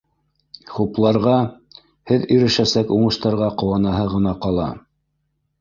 Хупларға, һеҙ ирешәсәк уңыштарға ҡыуанаһы ғына ҡала